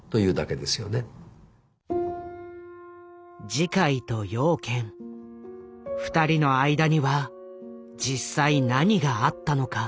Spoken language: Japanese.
慈海と養賢２人の間には実際何があったのか。